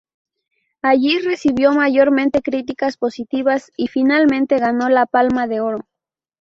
Allí recibió mayormente críticas positivas y finalmente ganó la Palma de Oro.